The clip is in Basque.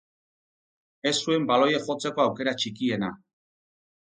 Ez zuen baloia jotzeko aukera txikiena.